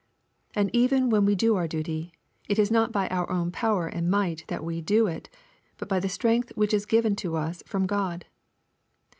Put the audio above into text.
And even when we do our duty, it is not by our own power and might that we do it, but by the strength which is given to us from God.